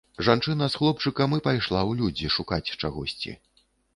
Жанчына з хлопчыкам і пайшла ў людзі шукаць чагосьці.